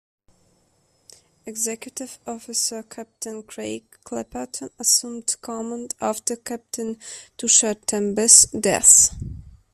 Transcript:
Executive Officer Captain Craig Clapperton assumed command after Captain Tushar Tembe's death.